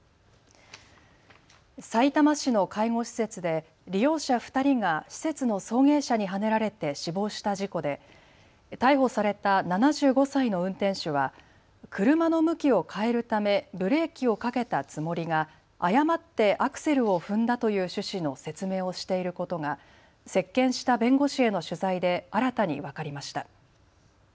さいたま市の介護施設で利用者２人が施設の送迎車にはねられて死亡した事故で逮捕された７５歳の運転手は車の向きを変えるためブレーキをかけたつもりが誤ってアクセルを踏んだという趣旨の説明をしていることが接見した弁護士への取材で新たに分かりました。